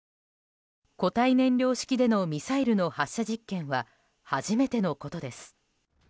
固体燃料式でのミサイルの発射実験は初めてのことです。